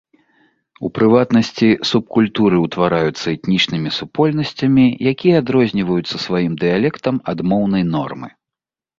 У прыватнасці, субкультуры ўтвараюцца этнічнымі супольнасцямі, якія адрозніваюцца сваім дыялектам ад моўнай нормы.